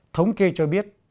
thống kê cho biết